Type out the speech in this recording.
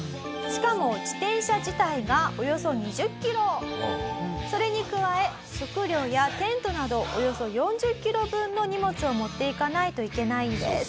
しかも自転車自体がおよそ２０キロそれに加え食料やテントなどおよそ４０キロ分の荷物を持っていかないといけないんです。